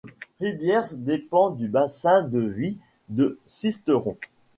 Ribiers dépend du bassin de vie de Sisteron.